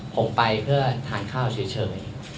ผมไปเพื่อทานข้าวเฉย